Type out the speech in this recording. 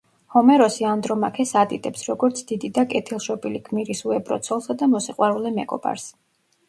ჰომეროსი ანდრომაქეს ადიდებს, როგორც დიდი და კეთილშობილი გმირის უებრო ცოლსა და მოსიყვარულე მეგობარს.